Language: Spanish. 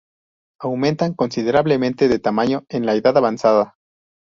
Aumentan considerablemente de tamaño en la edad avanzada.